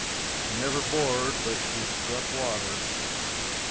He never bored but he struck water.